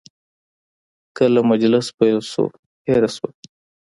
کله مجلس پیل شو، هیره شوه.